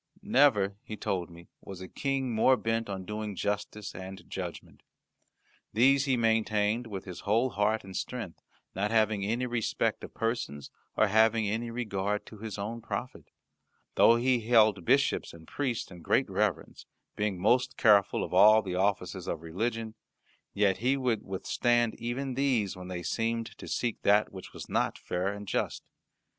Never, he told me, was a King more bent on doing justice and judgment. These he maintained with his whole heart and strength, not having any respect of persons, or having regard to his own profit. Though he held bishops and priests in great reverence, being most careful of all the offices of religion, yet he would withstand even these when they seemed to seek that which was not fair and just.